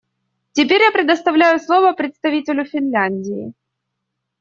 Теперь я предоставляю слово представителю Финляндии.